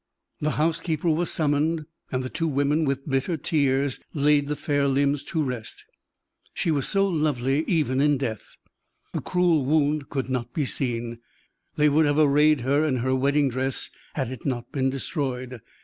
The housekeeper was summoned, and the two women, with bitter tears, laid the fair limbs to rest. She was so lovely, even in death! The cruel wound could not be seen. They would have arrayed her in her wedding dress had it not been destroyed.